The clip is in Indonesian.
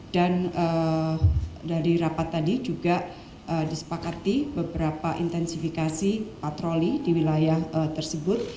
dan dari rapat tadi juga disepakati beberapa intensifikasi patroli di wilayah tersebut